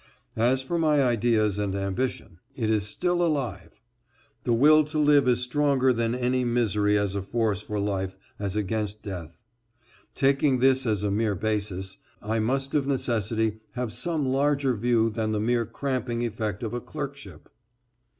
As for my ideas and ambition. It is still alive. The will to live is stronger than any misery as a force for life as against death. Taking this as a mere basis, I must of necessity have some larger view than the mere cramping effect of a clerkship.